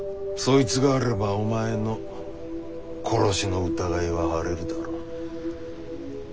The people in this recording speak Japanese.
そいつがあればお前の殺しの疑いは晴れるだろう。